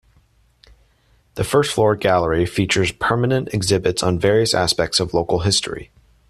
The first floor gallery features permanent exhibits on various aspects of local history.